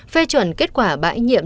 phê chuẩn kết quả bãi nhiệm